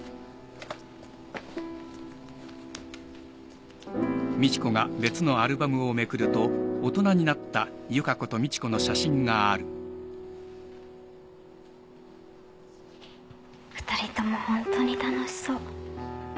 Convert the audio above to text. ２人ともホントに楽しそう。